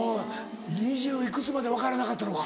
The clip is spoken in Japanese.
２０幾つまで分からなかったのか。